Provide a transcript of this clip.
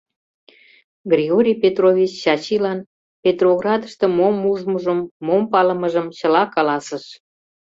Григорий Петрович Чачилан Петроградыште мом ужмыжым, мом палымыжым чыла каласыш.